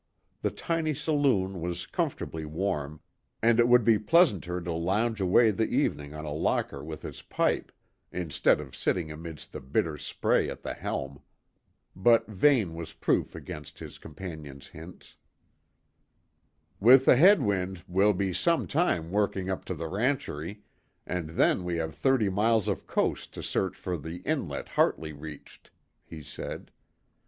The tiny saloon was comfortably warm, and it would be pleasanter to lounge away the evening on a locker with his pipe, instead of sitting amidst the bitter spray at the helm. But Vane was proof against his companion's hints. "With a head wind, we'll be some time working up to the rancherie, and then we have thirty miles of coast to search for the inlet Hartley reached," he said.